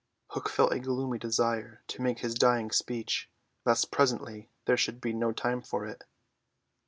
Hook felt a gloomy desire to make his dying speech, lest presently there should be no time for it.